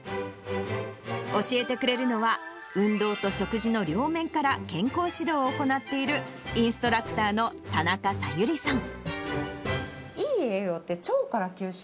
教えてくれるのは、運動と食事の両面から健康指導を行っている、インストラクターの田中咲百合さん。